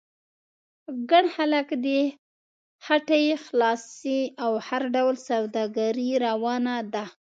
ګڼ خلک دي، هټۍ خلاصې او هر ډول سوداګري روانه ده.